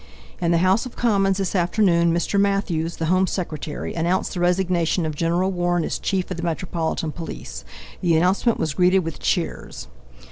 In the House of Commons this afternoon Mr. Matthews, the Home Secretary, announced the resignation of Gen. Warren as Chief of the Metropolitan Police. The announcement was greeted with cheers.